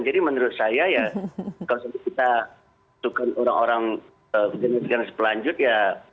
jadi menurut saya ya kalau kita tukar orang orang generasi generasi berlanjut ya